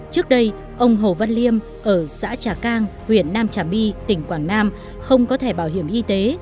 trước đây ông hồ văn liêm ở xã trà cang huyện nam trà my tỉnh quảng nam không có thẻ bảo hiểm y tế